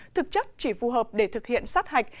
thực chất chỉ phù hợp để thực hiện sát hạch